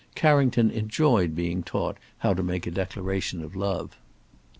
Carrington enjoyed being taught how to make a declaration of love.